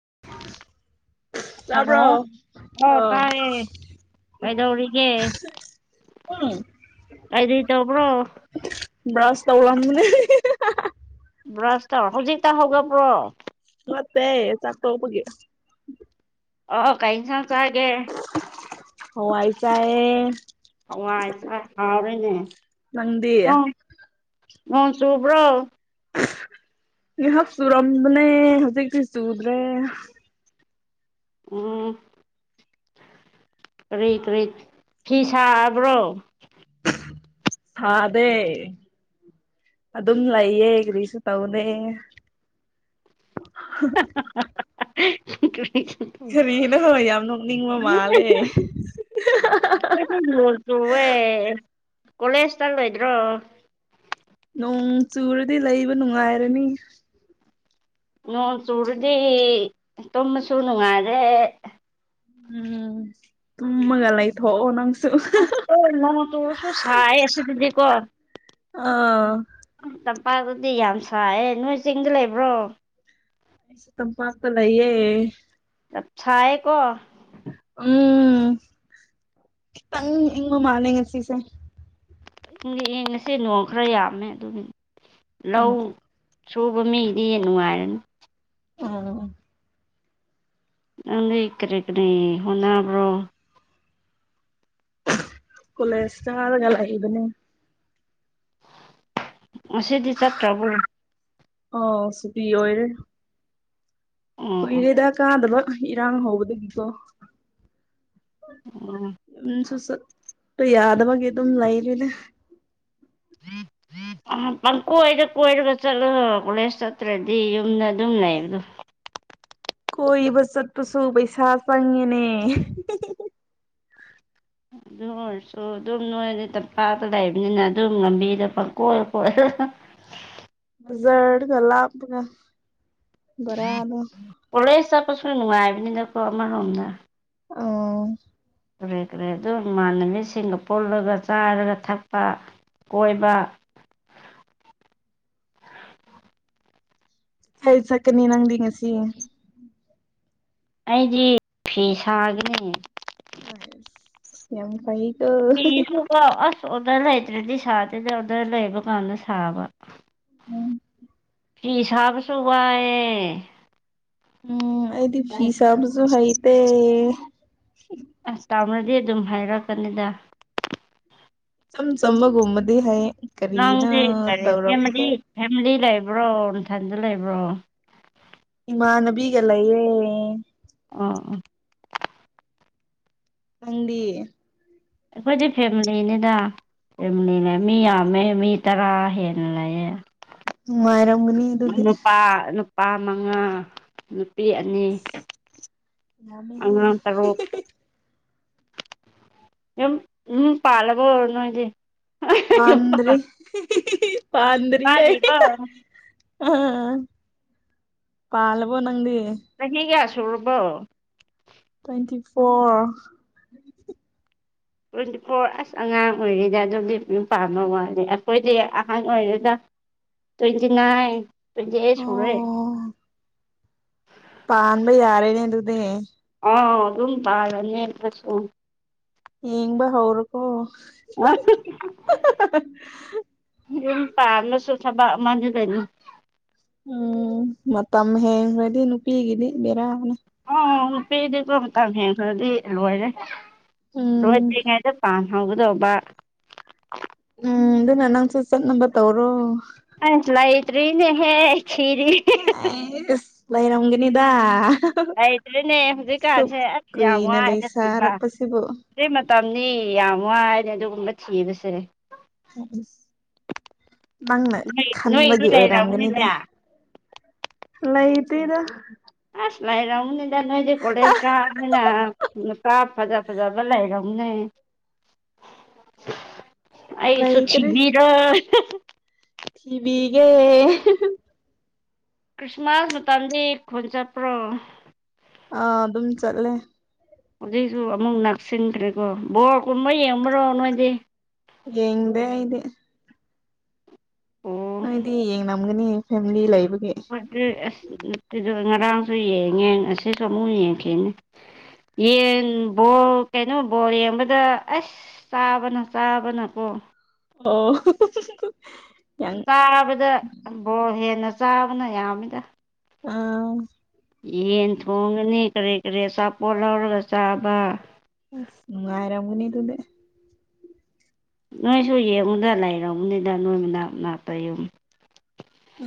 [inaudible] hello ꯇꯥꯕ꯭ꯔꯣ ꯑꯣ ꯑꯥ ꯇꯥꯏ ꯀꯩꯗꯧꯔꯤꯒꯦ ꯎꯝ ꯀꯩꯗ ꯇꯧꯕ꯭ꯔꯣ ꯇꯧꯔꯝꯅꯦ ꯔꯥꯁꯇ ꯍꯧꯖꯤꯛꯛꯇ ꯍꯧꯒ ꯄ꯭ꯔꯣ ꯃꯦ ꯆꯀ ꯍꯄꯒ ꯑꯣ ꯀꯩ ꯆꯥꯡ ꯆꯒꯦ ꯍ ꯋꯥꯏꯆꯥꯑ ꯍꯋꯥꯏꯁ ꯍꯥꯎꯔꯦꯅꯦ ꯅꯪꯗꯤ ꯃꯟꯁꯨꯨꯕ꯭ꯔꯣ ꯉꯥꯏꯍꯥꯛ ꯆꯨꯔꯝꯕꯅꯦ ꯍꯧꯖꯤꯛꯇꯤ ꯆꯨꯗ꯭ꯔꯦ ꯎꯝ ꯀꯔꯤꯛ ꯀꯔꯤꯛ ꯐꯤ ꯁꯥꯕ꯭ꯔꯣ ꯁꯥꯗꯦ ꯑꯗꯨꯝ ꯂꯩꯌꯦ ꯀꯔꯤꯁꯨ ꯇꯧꯅꯦ ꯍꯍ [unintelligible] ꯑꯣꯜ ꯌꯥꯝ ꯅꯣꯛꯅꯤꯡꯕ ꯃꯥꯜꯂꯦ ꯇ ꯍꯌꯦ ꯀꯣꯂꯦꯖꯇ ꯂꯣꯏꯗ꯭ꯔꯣ ꯎ ꯆꯨꯔꯗꯤ ꯂꯩꯕ ꯅꯨꯡꯉꯥꯏꯔꯅꯤ ꯅꯣꯡ ꯆꯨꯔꯗꯤ ꯇꯨꯝꯃꯁꯨ ꯅꯨꯡꯉꯥꯏꯔꯦ ꯎꯝ ꯇꯨꯝꯃꯒ ꯂꯩꯥꯏ ꯊꯣꯑꯣ ꯅꯪ ꯑ ꯇꯨꯁꯨ ꯁꯥꯏ ꯑꯁ ꯑꯗꯨꯤꯗꯤ ꯀ ꯑꯣꯥ ꯄꯥꯗꯨꯗꯤ ꯌꯥꯝ ꯁꯥꯏꯌꯦꯦ ꯅꯣꯏ ꯆꯤꯡꯗ ꯂꯩꯕ꯭ꯔꯣ ꯑꯩꯁꯨ ꯇꯝ ꯄꯥꯡꯝꯄ ꯂꯩꯌꯦ ꯑꯁꯑ ꯀꯣ ꯎꯝꯈꯤꯇꯪ ꯏꯪ ꯃꯥꯂꯦ ꯉꯁꯤꯁꯦ ꯌꯦꯡꯉꯁꯦ ꯅꯣꯡ ꯈꯔ ꯌꯥꯝꯃꯦ ꯑꯗꯨꯒꯤ ꯎꯝ ꯂꯧ ꯁꯨꯕ ꯃꯤꯒꯤꯗꯤ ꯍꯦ ꯅꯨꯡꯉꯥꯏꯔꯅꯤ ꯎꯝ ꯅꯪ ꯂꯩ ꯏ ꯀꯔꯤꯦ ꯀꯅꯦ ꯍꯟꯅꯕ꯭ꯔꯣ ꯀꯂ ꯏꯁꯇꯥꯔꯒ ꯂ ꯍꯗꯅꯤ ꯑꯁꯤꯗꯤ ꯆꯠ꯭ꯔꯕꯨ ꯑ ꯁꯇꯤ ꯑꯣꯏꯔꯦ ꯑꯣ ꯀꯨꯏꯔꯦꯗ ꯀꯥꯗꯕ ꯏꯔꯥꯡ ꯍꯧꯕꯗꯒꯤꯀꯣ ꯁꯨ ꯌꯥꯗ ꯋꯥꯒꯦ ꯇ ꯂꯥꯏ ꯂꯩꯅꯦ ꯊꯔꯤ ꯊꯔꯤ ꯑ ꯄꯪꯀꯣꯏꯗ ꯀꯣꯏꯔꯒ ꯆꯠꯂ ꯀꯣꯂꯦꯖ ꯆꯠꯇ꯭ꯔꯗꯤ ꯌꯨꯝꯗ ꯑꯗꯨꯝ ꯂꯩꯕꯗꯣ ꯀꯣꯏꯕ ꯆꯠꯄꯁꯨ ꯄꯩꯁꯥ ꯆꯪꯉꯦꯅꯦ ꯑꯗꯨ ꯑꯣꯏꯔꯁꯨ ꯑꯗꯨꯝ ꯅꯣꯏꯗꯤ ꯇꯝꯄꯥꯛꯇ ꯂꯩꯕꯅꯤꯅ ꯑꯗꯨꯝ ꯂꯝꯕꯤꯗꯣ ꯄꯪꯀꯣꯏ ꯈꯣꯠꯂ [unintelligible] ꯖꯠꯒꯂꯅ ꯔꯅꯣ ꯄꯣꯠꯁꯨ ꯅꯨꯡꯉꯥꯏꯕꯅꯤꯅꯀꯣ ꯑꯃꯔꯣꯝꯗ ꯑꯣ ꯀꯔꯦ ꯀ꯭ꯔꯦ ꯑꯗꯨ ꯏꯃꯥꯟꯅꯕꯤꯁꯤꯡꯒ ꯄꯨꯜꯂꯒ ꯆꯥꯔꯒ ꯊꯛꯄ ꯀꯣꯏꯕ ꯍ ꯆꯀꯅꯤ ꯅꯪꯗꯤ ꯉꯁꯤ ꯑꯩꯗꯤ ꯐꯤ ꯁꯥꯒꯅꯤ ꯑ ꯌꯥꯝ ꯀꯩ ꯐꯤꯁꯨꯀꯥꯎ ꯑꯁ ꯑꯣꯔꯗꯔ ꯂꯩꯇ꯭ꯔꯗꯤ ꯁꯥꯗꯦꯗ ꯑꯣꯗꯔ ꯂꯩꯕ ꯀꯥꯟꯗ ꯁꯥꯕ ꯐꯤꯁꯕ ꯁꯕꯥꯏ ꯎꯝ ꯑꯩꯗꯤ ꯐꯤꯤꯁꯝꯁꯨꯨ ꯍꯥꯏꯇ ꯎ ꯆꯥꯎꯅꯗꯤ ꯑꯗꯨꯝ ꯍꯥꯏꯔꯛꯀꯅꯤꯗ ꯏꯆꯝ ꯆꯝꯕꯒꯨꯝꯕꯗꯤ ꯍꯩ ꯂ ꯀꯔꯤꯅꯣ ꯂꯩꯔꯦ ꯐ ꯇꯧꯔꯛꯄꯗ ꯐ ꯂ ꯂꯕ꯭ꯔꯣ ꯅꯅꯨꯡꯊꯁꯨ ꯂꯩꯕ꯭ꯔꯣ ꯏꯃ ꯅꯕꯤꯒꯂꯌꯦꯦ ꯑꯥ ꯑ ꯍꯪꯗꯤ ꯑꯩꯈꯣꯏꯗꯤ ꯐꯦꯃꯤꯂꯤꯅꯤꯗ ꯅꯤ ꯂꯩ ꯃꯤ ꯑꯃꯃꯦ ꯃꯤ ꯇꯔꯥ ꯍꯦꯅ ꯂꯩꯌꯦꯦ ꯅꯨꯡꯉꯥꯏꯔꯝꯒꯅꯤ ꯑꯗꯨꯗꯤ ꯅꯨꯄꯥ ꯅꯨꯄꯥ ꯃꯉꯥ ꯅꯨꯅꯥꯄꯤ ꯑꯅꯤ ꯌꯥꯝꯃꯦꯍꯦ ꯑꯉꯥꯡ ꯇꯔꯨꯛ ꯎꯝ ꯄꯥꯂꯒꯣ ꯑꯣꯏꯔꯅꯣꯗꯤ ꯄꯥꯟꯗ꯭ ꯄꯥꯟꯗꯔꯤ ꯋꯥꯠꯂꯤꯕꯣ ꯄꯥꯂ ꯄꯣꯅꯪꯗꯤ ꯆꯍꯤꯒ ꯁꯨꯔꯕꯣ twenty four twenty four hours ꯑꯉꯥꯡ ꯑꯣꯏꯔꯤꯗ ꯑꯗꯨꯝꯗꯤ ꯌꯨꯝ ꯄꯥꯝꯕ ꯋꯥꯂꯦ ꯑꯩꯈꯣꯏꯗꯤ ꯑꯍꯥꯡ ꯑꯣꯏꯔꯅ ꯇ꯭ꯋꯦꯟꯇꯤ ꯅꯥꯏꯟ ꯇ ꯑꯣ ꯁꯅꯦꯦ ꯄꯥꯟꯕꯩ ꯌꯥꯔꯦꯅꯦ ꯑꯗꯨꯅꯦ ꯑꯥ ꯑꯗꯨꯝ ꯇꯥꯔꯅꯦꯁꯨ ꯌꯦꯡꯕ ꯍꯧꯔꯀꯣ [unintelligible] ꯄꯥꯔꯂꯁꯨ ꯊ ꯃꯥꯅ ꯇꯅꯤ ꯎꯝ ꯃꯝ ꯍꯦ ꯍꯥꯏꯗꯤ ꯅ ꯅꯨꯄꯤꯤꯒꯗꯤ ꯃꯦꯔ ꯑꯣ ꯅꯨꯄꯤꯗꯤꯀꯣ ꯃꯇꯝ ꯍꯦꯟꯈ꯭ꯔꯗꯤ ꯂꯣꯏꯔꯦ ꯎꯝ ꯂꯣꯏꯗ꯭ꯔꯤꯉꯩꯗ ꯄꯥꯝꯃꯦ ꯍꯒꯗꯧꯕ ꯎꯝ ꯑꯗꯨꯅ ꯅꯪꯁꯨ ꯆꯠ ꯅꯝꯕ ꯇꯧꯔꯣ ꯑꯁ ꯂ ꯑꯩꯇ꯭ꯔꯤ ꯅꯦ ꯍꯦ ꯑꯦꯁ ꯂꯩꯥꯏ ꯅꯪꯅꯤꯗꯥ ꯂꯩꯇ꯭ꯔꯔꯤꯅꯦ ꯍꯧꯖꯤꯛꯀꯥꯟꯁꯦ ꯑꯁ ꯌꯥꯝ ꯀꯨꯏꯅ ꯋꯥꯒ ꯁꯤꯕ ꯂꯩꯁꯥꯔꯛꯄꯁꯤꯕꯨ ꯁꯤꯇꯩ ꯃꯇꯝꯅꯤ ꯌꯥꯝ ꯋꯥꯅꯦ ꯑꯗꯨꯒꯨꯝꯕ ꯊꯤꯕꯁꯦ ꯑꯝ ꯅꯪꯅ ꯅꯣꯏ ꯅꯣꯏꯗꯤ ꯈꯟꯕꯒꯤ ꯂꯩꯔꯝꯒꯅꯤꯅꯦ ꯑꯣꯏꯔꯝꯒꯅꯤꯗ ꯂꯩꯇꯦꯗ ꯂꯩꯔꯝꯅꯤꯗ ꯅꯣꯏꯗꯤ ꯀꯣꯂꯦꯖ ꯀꯥꯅꯤꯅ ꯂꯨꯄꯥ ꯐꯖ ꯐꯖꯕ ꯂꯩꯔꯝꯅꯦ ꯑꯩꯁꯨ ꯁꯤꯕꯤꯗ ꯀꯤꯕꯤꯤꯒꯦ ꯈ꯭ꯔꯤꯁꯃꯥꯁ ꯃꯇꯝꯗꯤ ꯈꯣꯟ ꯆꯠꯄ꯭ꯔꯣ ꯑꯥ ꯑꯗꯨꯝ ꯆꯠꯂꯦ ꯍꯧꯖꯤꯛꯁꯨ ꯑꯃꯨꯛ ꯅꯛꯁꯤꯟꯈ꯭ꯔꯦꯀꯣ ꯕꯣꯔꯀꯨꯝꯕ ꯌꯦꯡꯕ꯭ꯔꯣ ꯅꯣꯏꯗꯤ ꯌꯦꯡꯗꯦ ꯏꯗꯤ ꯑꯣ ꯅꯣꯏꯗꯤ ꯌꯦꯡ ꯅꯝꯒꯅꯤ ꯐꯦꯃꯤꯂꯤ ꯂꯩꯕ ꯃꯁ ꯑꯩꯈꯣꯏ ꯉꯔꯥꯡꯁꯨ ꯌꯦꯡꯉꯟ ꯑꯁꯤꯁꯨ ꯑꯃꯨꯛ ꯌꯦꯡꯈꯤꯅꯤ ꯌꯦꯟ ꯕꯣꯛ ꯀꯩꯅꯣ ꯕꯣꯔ ꯌꯦꯡꯕꯗ ꯑꯁ ꯆꯥꯕꯅ ꯆꯥꯕꯅꯀꯣ ꯑꯣ ꯌꯥꯡ ꯆꯥꯕꯗꯕꯣꯔ ꯍꯦꯟꯅ ꯆꯥꯕꯅ ꯌꯥꯝꯃꯤꯗ ꯑꯥ ꯌꯦꯟ ꯊꯣꯡꯉꯅꯤ ꯀꯔꯤ ꯀꯔꯤꯆꯥꯄꯣꯠ ꯂꯧꯔꯒ ꯆꯥꯕ ꯑ ꯃꯅꯨꯡꯥꯏꯔ ꯃꯅꯤ ꯑꯗꯨꯗ ꯅꯣꯏꯁꯨ ꯌꯦꯡꯉꯨꯗ ꯂꯩꯔꯃꯅꯤꯗ ꯅꯣꯏ ꯃꯅꯥꯛ ꯃ ꯅꯥꯛꯇ ꯌꯨꯝ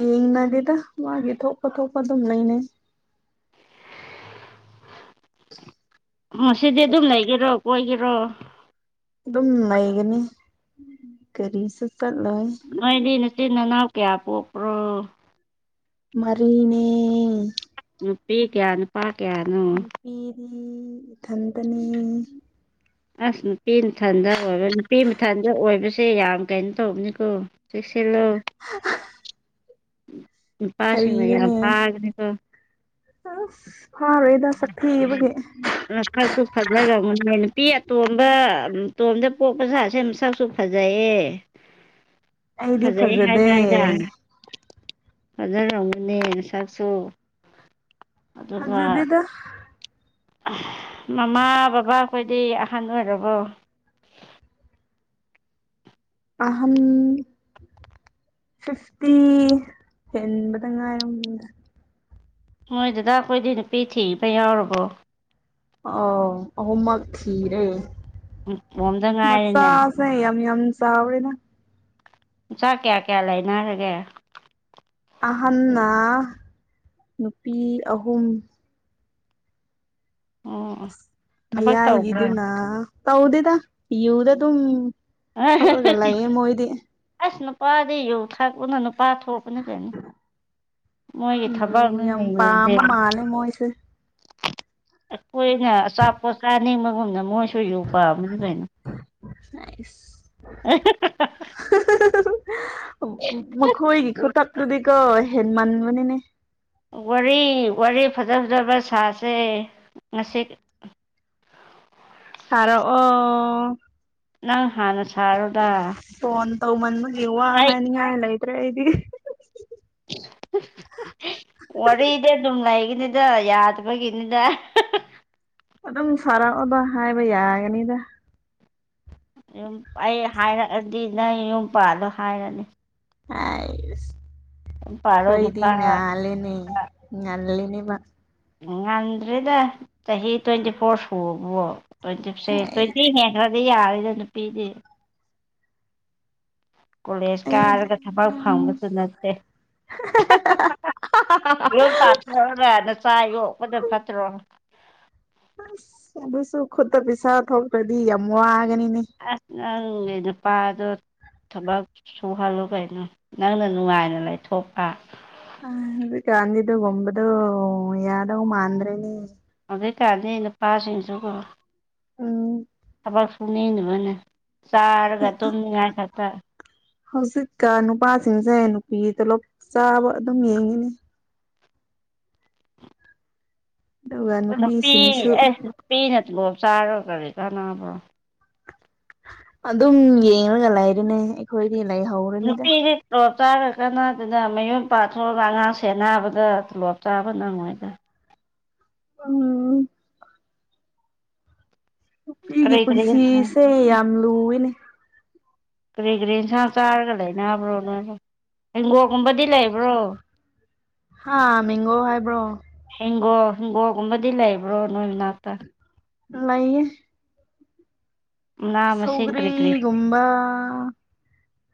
ꯌꯦꯡꯅꯒꯦꯗ ꯃꯥꯒꯤ ꯊꯣꯛꯄ ꯊꯣꯛꯄ ꯑꯗꯨꯝ ꯂꯩꯅꯩ ꯁꯤꯗꯤ ꯑꯗꯨꯝ ꯂꯩꯒꯦꯔꯣ ꯀꯣꯏꯒꯦꯔꯣ ꯝ ꯃꯌꯦꯛꯒꯅꯤ ꯀꯔꯤꯁ ꯅꯣꯏꯗꯤ ꯅꯆꯤꯟ ꯅꯅꯥꯎ ꯀꯌꯥ ꯄꯣꯛꯄ꯭ꯔꯣ ꯃꯔꯤꯅꯦ ꯅꯨꯄꯤ ꯀꯌꯥ ꯅꯨꯄꯥ ꯀꯌꯥꯅꯣ ꯈꯟꯇꯅꯤ ꯑꯁ ꯅꯨꯄꯤ ꯃꯊꯟꯗ ꯑꯣꯏꯕ ꯅꯨꯄꯤ ꯃꯊꯟꯗ ꯑꯣꯏꯕꯁꯦ ꯌꯥꯝ ꯀꯩꯅꯣ ꯇꯧꯕꯅꯤꯀꯣ ꯁꯤ ꯈꯂꯣ ꯅꯨꯄꯥꯁꯤ ꯃ ꯀꯔꯤꯅꯣꯅꯦ ꯌꯥꯝꯚꯒꯅꯦꯀꯣ ꯑꯁ ꯐꯥꯔꯣꯏꯗ ꯁꯛꯊꯤꯕꯒꯤ ꯉꯊꯛꯁꯨ ꯐꯖꯒꯅꯦ ꯅꯨꯄꯤ ꯑꯇꯣꯝꯕ ꯎꯝ ꯇꯣꯝꯗ ꯄꯣꯛꯄ ꯁꯥꯁꯦ ꯃꯁꯛꯁꯨ ꯐꯖꯩꯌꯦ ꯑꯩꯗꯤ ꯐꯖꯩ ꯐꯖꯗꯦ ꯍꯥꯏꯅ ꯍꯥꯏꯅ ꯐꯖꯔꯒꯅꯦ ꯉꯁꯛꯁꯨ ꯍꯖꯗꯦꯗ ꯃꯃꯥ ꯕꯕꯥ ꯑꯩꯈꯣꯏꯗꯤ ꯑꯍꯟ ꯑꯣꯏꯔꯕꯣ ꯑꯍꯝ ꯐꯤꯐꯇꯤ ꯑꯦꯟꯕꯗ ꯉꯥꯏꯔꯝꯅꯤꯗ ꯃꯣꯏꯗꯨꯗꯥ ꯑꯩꯈꯣꯏꯗꯤ ꯅꯨꯄꯤ ꯊꯤꯕ ꯌꯥꯎꯔꯕꯣ ꯑ ꯑ ꯃ ꯈꯤꯔꯦ ꯃꯣꯝꯗ ꯉꯥꯏꯔꯦꯅꯦ ꯃꯁꯆꯥ ꯑ ꯌꯝ ꯌꯝ ꯆ ꯑꯕꯅ ꯆꯥꯛ ꯀꯌꯥ ꯀꯌꯥ ꯂꯩꯅꯔꯒꯦ ꯑꯍꯟꯅ ꯅꯨꯄꯤ ꯑꯍꯨꯝ ꯑꯣ ꯁ ꯊꯕꯛ ꯇꯧꯕ꯭ꯔꯥ ꯃꯌꯥꯏꯒꯤꯗꯨꯅ ꯇꯧꯗꯦꯗ ꯌꯨꯗ ꯗꯨꯝ ꯑꯁꯅ ꯄꯥꯗꯗꯤ ꯌꯧ ꯊꯥꯛꯄꯅꯅ ꯄꯥꯊꯣꯛ ꯀꯅꯤ ꯃꯣꯏꯒꯤ ꯌꯨ ꯊꯕꯛꯅ ꯌꯥꯝ ꯄꯥꯝꯕ ꯃꯥꯜꯂꯦ ꯃꯣꯏꯁꯦ ꯑꯩꯈꯣꯏꯅ ꯑꯆꯥꯄꯣꯠ ꯆꯥꯅꯤꯡꯕꯒꯨꯝꯅ ꯃꯣꯏꯁꯨ ꯌ ꯄꯥꯝꯅꯤ ꯀꯩꯅꯣ ꯁꯥꯏꯁ ꯑꯦ ꯃꯈꯣꯏꯒꯤ ꯈꯨꯇꯛꯇꯨꯗꯤꯀꯣ ꯍꯦꯟ ꯃꯟꯕꯅꯤꯅꯦ ꯋꯥꯔꯤ ꯐꯖ ꯐꯖꯕ ꯁꯥꯁꯦ ꯉꯁꯤ ꯁꯔꯣ ꯑꯣ ꯅꯪ ꯍꯥꯟꯅ ꯁꯥꯔꯨꯒ ꯇꯧ ꯃꯟꯃꯒꯤ ꯋꯥ ꯍꯥꯏꯅꯤꯡꯉꯥꯏ ꯂꯩꯗ꯭ꯔꯦ ꯑꯩꯗꯤ ꯍ ꯍꯥ ꯋꯥꯔꯤꯗꯤ ꯑꯗꯨꯝ ꯂꯩꯒꯅꯤꯗ ꯌꯥꯗꯕꯒꯤꯅꯤꯗ ꯑꯗꯨꯝ ꯁꯥꯔꯛꯑꯣꯕ ꯍꯥꯏꯕ ꯌꯥꯒꯅꯤꯗ ꯌꯨꯝ ꯑꯩ ꯍꯥꯏꯔꯛꯑꯗꯤ ꯅꯪ ꯌꯨꯝ ꯄꯗꯣ ꯍꯥꯏꯔꯅꯤ ꯑꯦ ꯌꯨꯝ ꯄꯥꯜꯂꯣ ꯀꯣꯏꯗꯤ ꯅꯨꯄꯥ ꯉꯂꯦꯅꯦ ꯉ ꯑ ꯉꯝꯗ꯭ꯔꯦꯗ ꯆꯍꯤ ꯇ꯭ꯋꯦꯟꯇꯤ ꯐꯣꯔ ꯁꯨꯕꯕꯣ ꯇ꯭ꯋꯦꯟꯇꯤꯁꯦ ꯍꯥꯏ ꯇ꯭ꯋꯦꯟꯇꯤ ꯍꯦꯟꯈ꯭ꯔ ꯀ ꯌꯥꯔꯦꯗ ꯅꯨꯄꯤꯗꯤ ꯀꯣꯂꯦꯖ ꯑꯩꯗꯤ ꯀꯥꯔꯒ ꯊꯕꯛ ꯐꯪꯕꯁꯨ ꯅꯠꯇꯦ ꯌꯣꯟ ꯇꯥꯊꯔꯅ ꯆꯥꯏꯌꯣ ꯑꯣꯗ ꯐꯠꯇꯔꯣꯅ ꯁꯨꯈꯗꯇ ꯄꯤꯁꯥ ꯊ ꯀꯗꯤ ꯌꯥꯝ ꯋꯥꯒꯅꯤꯅꯦ ꯑ ꯅꯪ ꯏ ꯄ ꯑꯗꯨꯣ ꯊꯕꯛ ꯁꯨꯍꯜꯂꯨ ꯀꯩꯅꯣ ꯅꯪꯅ ꯅꯨꯡꯉꯥꯏꯅ ꯂꯩꯊꯣꯛꯄ ꯑ ꯀꯥꯟꯗꯗꯨꯒꯝꯕꯗꯨ ꯌꯥꯗꯣ ꯃꯥꯗ꯭ꯔꯦꯅꯤ ꯑꯗꯨꯩ ꯀꯥꯟꯗ ꯅꯨꯄꯥꯁꯤꯡꯁꯨ ꯎꯝ ꯊꯕꯛ ꯁꯨꯅꯤꯡꯅꯕꯅꯦ ꯆꯔꯒ ꯇꯝꯃꯤꯉ ꯈꯇ ꯍꯧꯖꯤꯛꯀ ꯅꯨꯄꯥꯁꯤꯡꯁꯦ ꯅꯨꯄꯤꯗꯂꯞ ꯆꯥꯕ ꯑꯗꯨꯝ ꯌꯦꯡꯉꯤꯅꯦ ꯑꯗꯨꯒ ꯅꯨꯄꯤ ꯅꯨꯄꯤꯁꯤꯡꯁꯨ ꯑꯩꯁ ꯅꯨꯄꯤ ꯅꯠꯇꯒꯣ ꯆꯥꯔꯣ ꯀꯔꯤ ꯀꯥꯟꯅꯕ꯭ꯔꯣ ꯑꯗꯨꯝ ꯌꯦꯡꯉꯒ ꯂꯩꯔꯅꯦ ꯑꯩꯈꯣꯏꯗꯤ ꯂꯩꯍꯧꯔꯅꯤꯗ ꯆꯥꯔ ꯀꯥꯟꯗꯨꯅ ꯃꯌꯨꯝ ꯄꯥꯊꯣꯛꯑꯒ ꯑꯉꯥꯡ ꯁꯦꯟꯅꯕꯗ ꯇꯣꯂꯣꯞ ꯆꯥꯕ ꯅꯪꯉꯣꯏꯗ ꯎꯝ ꯅꯨꯄꯤꯒꯤ ꯀꯔꯤ ꯀꯔꯤ ꯏꯟꯁꯥꯡ ꯄꯨꯟꯁꯤꯁꯦ ꯌꯥꯝ ꯂꯨꯏꯅꯦ ꯀꯔꯤ ꯀꯔꯤ ꯏꯟꯁꯥꯡ ꯆꯥꯔꯒ ꯂꯩꯅꯕ꯭ꯔꯣ ꯅꯣꯏꯅ ꯍꯦꯡꯒꯣꯒꯨꯝꯕꯗꯤ ꯂꯩꯕ꯭ꯔꯣ ꯍꯥꯥ ꯃꯒꯣ ꯍꯥꯏꯕ꯭ꯔꯣ ꯍꯪꯒꯣ ꯍꯪꯒꯣꯒꯨꯝꯕꯗꯤ ꯂꯩꯕ꯭ꯔꯣ ꯅꯣꯏ ꯃꯅꯥꯛꯇ ꯂꯩ ꯃꯅꯥ ꯃꯁꯤꯡ ꯀꯔꯤ ꯀꯔꯤ ꯁꯧꯒ꯭ꯔꯤꯒꯨꯝꯕ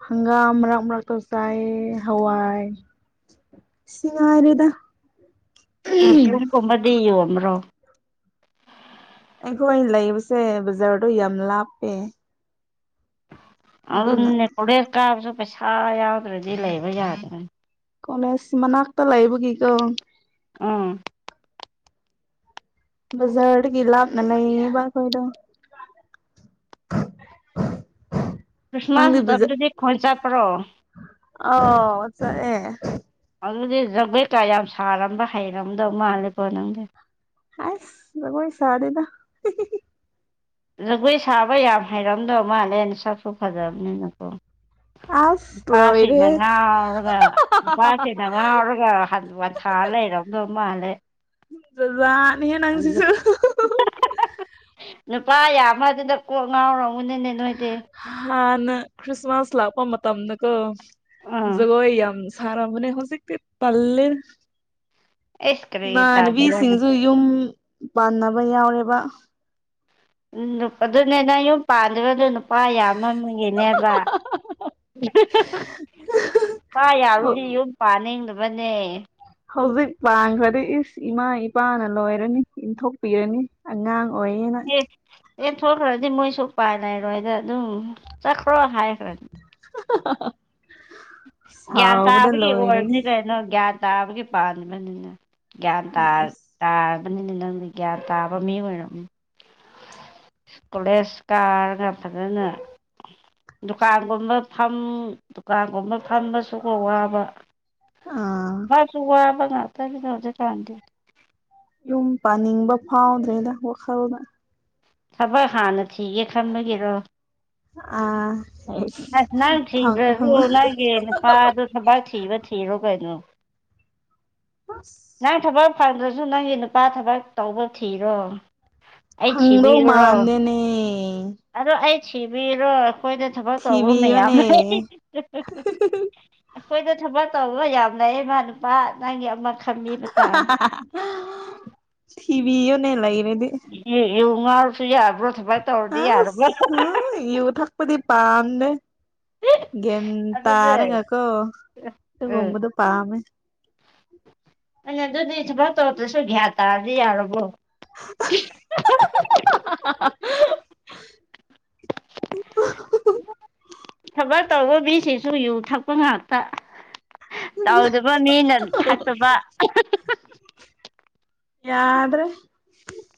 ꯍꯪꯒꯥꯝ ꯃꯔꯥꯛ ꯃꯔꯔꯥꯛ ꯇ ꯆꯥꯏ ꯍꯋꯥꯏ ꯁꯤꯉꯔꯗ ꯃꯁꯝꯒꯨꯝꯕꯗꯤꯌꯨꯕ꯭ꯔꯣ ꯑꯩꯈꯣꯏ ꯂꯩꯕꯁꯦ ꯕꯖꯥꯔꯗꯣ ꯌꯥꯝ ꯂꯥꯞꯄꯦ ꯑꯗꯨ ꯑꯗꯨꯅ ꯅꯦꯀꯣꯣꯔꯦ ꯀꯥꯕꯁꯨ ꯄꯩꯁꯥ ꯌꯥꯎꯗ꯭ꯔꯗꯤ ꯂꯩꯕ ꯌꯥꯗ꯭ꯔꯅꯤ ꯀꯣꯂꯦꯖ ꯃꯅꯥꯛꯇ ꯂꯩꯕꯒꯀ ꯎꯝ ꯕꯖꯔꯒꯤ ꯂꯥꯕꯅ ꯂꯩꯕꯈꯣꯏꯗ [inaudible] ꯈ꯭ꯔꯤꯁꯃꯥꯁ ꯅꯪꯗꯤ ꯃꯇꯝꯗꯨꯗꯤ ꯈꯣꯏ ꯆꯠꯄ꯭ꯔꯣ ꯑꯣ ꯆꯦ ꯑꯗꯨꯗꯤ ꯖꯒꯦ ꯀꯥ ꯌꯥꯝ ꯁꯥꯔꯝꯕ ꯍꯩꯔꯝꯗꯧ ꯃꯥꯜꯂꯦꯀꯣ ꯅꯪꯗꯤ ꯑꯣꯏ ꯁꯥꯗꯦꯗ ꯖꯒꯣꯏ ꯁꯥꯕ ꯌꯥꯝ ꯍꯩꯔꯝꯗꯧ ꯃꯥꯜꯂꯦꯅ ꯁꯛꯁꯨ ꯐꯖꯕꯅꯤꯅꯀꯣ ꯑꯁ ꯅꯨꯄꯥꯁꯤꯡꯅ ꯂꯣꯏꯔꯦꯍꯦ ꯉꯥꯎꯔꯒ ꯅꯨꯄꯥꯁꯤꯅ ꯉꯥꯎꯔꯒ ꯍ ꯃꯥꯂ ꯔꯝꯕ ꯔꯃ ꯍꯥꯂ ꯖꯅꯤ ꯍ ꯅꯪꯁꯤꯁꯨ ꯂꯨꯄꯥ ꯌꯥꯃ꯭ꯔ ꯑꯗꯨꯅ ꯀꯣꯛ ꯉꯥꯎꯔꯝꯎꯅꯤꯅꯦ ꯅꯣꯏꯗꯤ ꯈ꯭ꯔꯤꯁꯃꯁ ꯂꯥꯛꯄ ꯃ ꯃꯇꯝꯀ ꯎꯝ ꯖꯒ ꯁꯔꯥ ꯃꯅꯦ ꯍꯧꯖꯤꯛꯇ ꯄꯜꯂꯦ ꯑꯩꯁ ꯀꯔꯤ ꯇꯥꯕ꯭ꯔꯣꯅꯦ ꯏꯃꯥꯟꯅꯕꯤꯁꯤꯡꯁꯨ ꯌꯨꯝ ꯄꯥꯟꯅꯕ ꯌꯥꯎꯔꯦꯕ ꯎ ꯑꯗꯨꯅꯦ ꯅ ꯌꯨꯝ ꯄꯥꯟꯜꯂꯤꯕꯗ ꯅꯨꯄꯥ ꯌꯥꯝꯃ ꯑꯃꯒꯤꯅꯦꯕ ꯄ ꯌꯥꯔꯨꯗꯤ ꯌꯨꯝ ꯄꯥꯅꯤꯡꯗꯕꯅꯦ ꯍꯧꯖꯤꯛ ꯄꯥꯡꯈ꯭ꯔꯗꯤ ꯏꯁ ꯏꯃꯥ ꯏꯄꯥꯅ ꯂꯣꯏꯔꯅꯤ ꯏꯟꯊꯣꯛꯄꯤꯔꯅꯤ ꯑꯉꯥꯡ ꯑꯣꯏꯅ ꯑꯦꯊꯈ꯭ꯔꯗꯤ ꯃꯣꯏꯁꯨ ꯎꯄꯥꯏ ꯂꯩꯔꯣꯏꯗ ꯑꯗꯨꯝ ꯆꯠꯈ꯭ꯔꯣ ꯍꯥꯏꯈ꯭ꯔꯗꯤ [unintelligible] ꯒ꯭ꯌꯥꯟ ꯁꯥꯎꯕꯗ ꯇꯥꯕꯒꯤ ꯂꯣꯏꯔꯅꯤ ꯑꯣꯏꯕꯅꯤ ꯀꯩꯅꯣ ꯒ꯭ꯌꯥꯟ ꯇꯥꯕꯒꯤ ꯄꯥꯟꯕꯥꯅꯤꯅ ꯒ꯭ꯌꯥꯟ ꯇꯥ ꯇꯥ ꯑꯃꯅꯤꯅ ꯅꯪꯗꯤ ꯒ꯭ꯌꯥꯟ ꯇꯥꯕ ꯃꯤ ꯑꯣꯏꯔꯝ ꯀꯣꯂꯦꯖ ꯀꯥꯔꯒ ꯐꯖꯅ ꯗꯨꯀꯥꯟꯒꯨꯝꯕ ꯐꯝ ꯗꯨꯀꯥꯟꯒꯨꯝꯕ ꯐꯝꯃꯁꯨ ꯋꯥꯕ ꯑꯥ ꯐꯁꯨ ꯋꯥꯕ ꯉꯇꯅꯗ ꯊꯗ ꯌꯨꯝ ꯄꯥꯅꯤꯡꯕ ꯐꯥꯎꯗ꯭ꯔꯦꯗ ꯋꯥꯈꯜꯗ ꯊꯕꯛ ꯍꯥꯟꯅ ꯊꯤꯒꯦ ꯈꯟꯕꯒꯤꯔꯣ ꯑꯥ ꯑꯁ ꯅꯪ ꯐꯪ ꯐꯪ ꯊꯤꯕꯁꯨ ꯑꯁ ꯅꯪꯒꯤ ꯅꯨꯄꯥꯗꯣ ꯊꯕꯥꯛ ꯊꯤꯕ ꯊꯤꯔꯣ ꯀꯩꯅꯣ ꯅꯪ ꯊꯕꯛ ꯐꯪꯗ꯭ꯔꯁꯨ ꯅꯪꯒꯤ ꯅꯨꯄꯥ ꯊꯕꯛ ꯇꯧꯕ ꯊꯤꯔꯣ ꯑꯩ ꯐꯪꯗꯧ ꯊꯕꯤꯔꯨꯔꯣ ꯃꯥꯟꯗꯦꯅꯦ ꯑꯗꯣ ꯑꯩ ꯊꯕꯤꯔꯣ ꯑꯩꯈꯣꯏꯗ ꯊꯕꯛ ꯇꯧꯕ ꯊꯕꯤꯤ ꯃꯌꯥꯝ ꯑꯣꯅꯦ ꯂꯩ ꯑꯩꯈꯣꯏꯗ ꯊꯕꯛ ꯇꯧꯕ ꯌꯥꯝ ꯂꯩ ꯏꯃꯥ ꯅꯨꯄꯥ ꯅꯪꯒꯤ ꯑꯃ ꯈꯝꯃꯤꯕ ꯇꯥꯡ ꯊꯤꯚꯕꯤꯅꯦ ꯂꯩ ꯏꯉꯥꯁꯨ ꯑꯕ꯭ꯔ ꯑ ꯍ ꯏꯎ ꯊꯥꯛꯄꯗꯤ ꯄꯝꯅꯦ ꯇꯥꯔ ꯑꯗꯨꯗꯤ ꯎꯝ ꯉꯀꯣꯒꯕꯗ ꯄꯥꯝ ꯑꯩꯅ ꯑꯗꯨꯗꯤ ꯊꯨꯃꯥꯏ ꯇꯧꯗ꯭ꯔꯁꯨ ꯒ꯭ꯌꯥꯟ ꯇꯥꯔꯗꯤ ꯌꯥꯔꯕꯣ [unintelligible] ꯈꯕꯔ ꯇꯧꯕꯁꯤ ꯆꯨ ꯌꯨ ꯊꯛꯄ ꯉꯥꯛꯇ ꯇꯧꯗꯕ ꯃꯤꯅ ꯊꯥꯛꯇꯕ ꯌꯥꯗ꯭ꯔꯦ